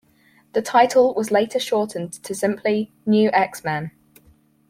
The title was later shortened to simply "New X-Men".